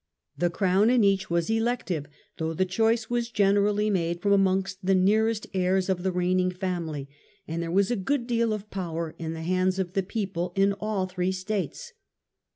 The Crown in each was elective, though the choice was generally made from amongst the nearest heirs of the reigning family, and there was a good deal of power in the hands of the people in all three States.